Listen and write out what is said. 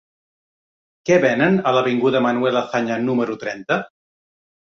Què venen a l'avinguda de Manuel Azaña número trenta?